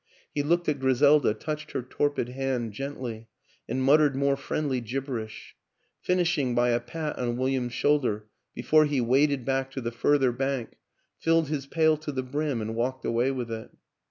He looked at Griselda, touched her torpid hand gently and muttered more friendly gibberish; finishing by a pat on William's shoulder before he waded back to the further bank, filled his pail to the brim and walked away with it.